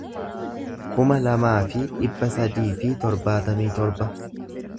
kuma lamaa fi dhibba sadii fi torbaatamii torba